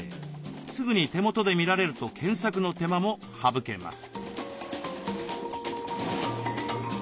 すぐに手元で見られると検索の手間も省けます。